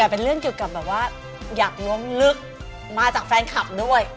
แต่เป็นเรื่องเกี่ยวกับแบบว่าอยากล้วงลึกมาจากแฟนคลับด้วย